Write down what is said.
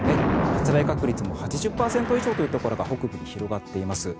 発雷確率も８０％以上というところが北部で広がっています。